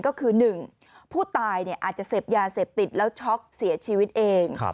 ก็คือ๑ผู้ตายอาจจะเสพยาเสพติดแล้วช็อกเสียชีวิตเอง